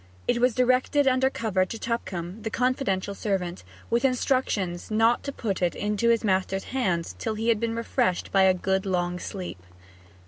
It was directed under cover to Tupcombe, the confidential servant, with instructions not to put it into his master's hands till he had been refreshed by a good long sleep.